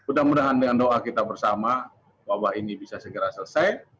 dan mudah mudahan dengan doa kita bersama wabah ini bisa segera selesai